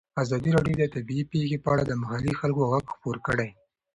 ازادي راډیو د طبیعي پېښې په اړه د محلي خلکو غږ خپور کړی.